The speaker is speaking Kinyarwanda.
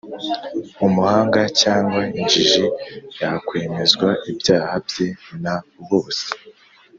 umuhanga cyangwa injiji yakwemezwa ibyaha bye na bose